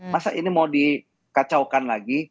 masa ini mau dikacaukan lagi